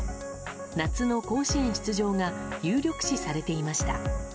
夏の甲子園出場が有力視されていました。